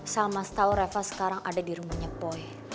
salma tau reva sekarang ada di rumahnya boy